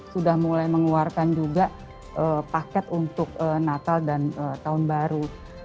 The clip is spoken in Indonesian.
sudah mulai mengeluarkan juga paket untuk natal dan tahun baru